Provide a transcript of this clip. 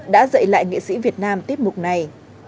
đã dạy lại nghệ sĩ việt nam tiết mục này